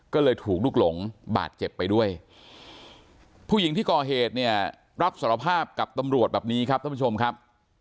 ก็เลยถูกลุกหลงบาดเจ็บไปด้วยผู้หญิงที่ก่อเหตุเนี่ยรับสารภาพกับตำรวจแบบนี้ครับท่านผู้ชมครับ